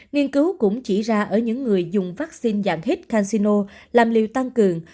nghiên cứu cũng chỉ ra ở những người dùng vaccine dạng hit cansino làm liều tăng cường